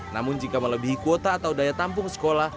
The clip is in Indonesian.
namun jika melebihi kuota atau daya tampung sekolah